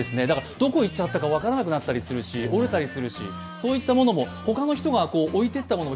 どこいっちゃったか分からなくなったりするし、折れたりするし、そういったものも他の人が置いていったものも